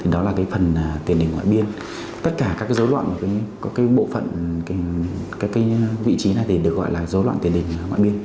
đó là phần tiền đình ngoại biên tất cả các dối loạn của bộ phận vị trí này được gọi là dối loạn tiền đình ngoại biên